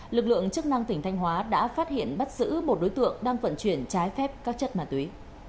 lực lượng chức năng tỉnh thanh hóa đã phát hiện bắt giữ một đối tượng đang vận chuyển trái phép các chất ma túy